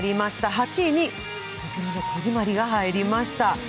８位に「すずめの戸締まり」が入りました。